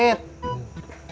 saya teh jadi mati rasa